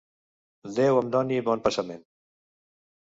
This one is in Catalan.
Déu em doni bon passament!